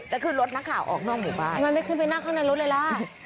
ขึ้นรถนักข่าวออกนอกหมู่บ้านทำไมไม่ขึ้นไปนั่งข้างในรถเลยล่ะ